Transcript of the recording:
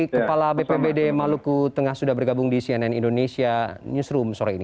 kepala bpbd maluku tengah sudah bergabung di cnn indonesia newsroom sore ini